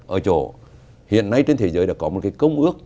ở chỗ hiện nay trên thế giới đã có một cái công ước